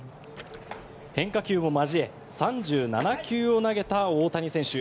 変化球も交え３７球を投げた大谷選手。